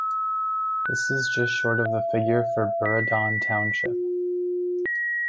This is just short of the figure for Burradon township.